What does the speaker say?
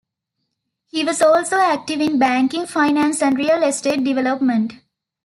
He was also active in banking, finance, and real estate development.